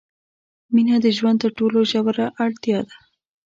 مینه د ژوند تر ټولو ژوره اړتیا ده.